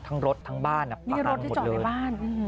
ทั้งรถทั้งบ้านปากน้ำหมดเลยมีรถที่จอดในบ้าน